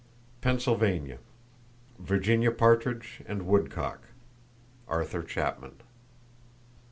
Pennsylvania: Virginia partridge and woodcock.—(Arthur Chapman.)